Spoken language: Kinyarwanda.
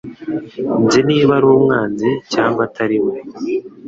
Nzi niba ari umwanzi cyangwa atari we.